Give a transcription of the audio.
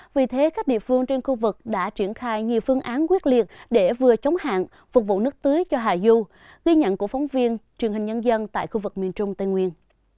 vì thế các địa phương trên khu vực đã triển khai nhiều phương án quyết liệt để vừa chống hạn phục vụ nước tưới cho hà du ghi nhận của phóng viên truyền hình nhân dân tại khu vực miền trung tây nguyên